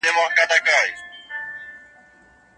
ور په برخه زغري توري او ولجې وې